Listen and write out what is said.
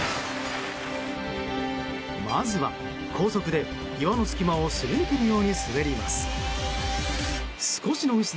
まずは高速で岩の隙間をすり抜けるように滑ります。